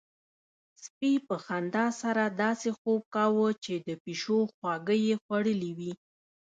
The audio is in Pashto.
سپي په خندا سره داسې خوب کاوه چې د پيشو خواږه يې خوړلي وي.